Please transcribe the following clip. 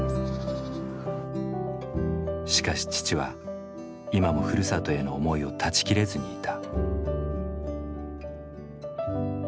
しかし父は今もふるさとへの思いを断ち切れずにいた。